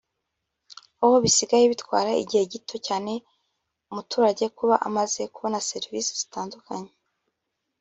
aho bisigaye bitwara igihe gito cyane umuturage kuba amaze kubona servisi zitandukanye